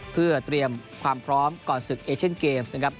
เพื่อเตรียมความพร้อมก่อนศึกเอเชนเกมส์นะครับ